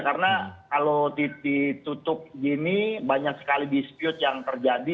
karena kalau ditutup gini banyak sekali dispute yang terjadi